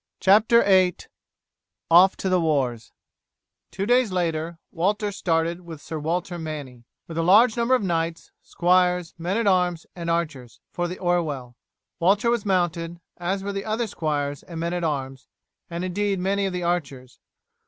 CHAPTER VIII: OFF TO THE WARS Two days later Walter started with Sir Walter Manny, with a large number of knights, squires, men at arms, and archers, for the Orwell. Walter was mounted, as were the other squires and men at arms, and indeed many of the archers.